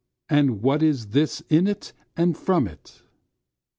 and what is this in it and from it?